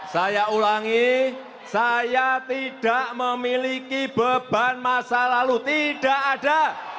saya ulangi saya tidak memiliki beban masa lalu tidak ada